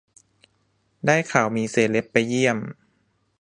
ได้ข่าวมีเซเล็บไปเยี่ยม